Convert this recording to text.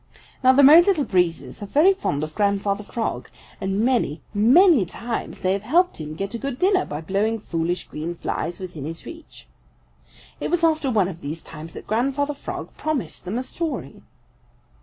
Now the Merry Little Breezes are very fond of Grandfather Frog and many, many times they have helped him get a good dinner by blowing foolish green flies within his reach. It was after one of these times that Grandfather Frog promised them a story.